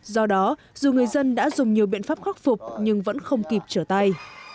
do đó dù người dân đã dùng nhiều biện pháp khắc phục nhưng vẫn không kịp trở tay